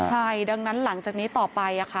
ใช่ดังนั้นหลังจากนี้ต่อไปค่ะ